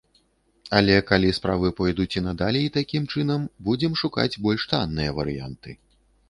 Але калі справы пойдуць і надалей такім чынам, будзем шукаць больш танныя варыянты.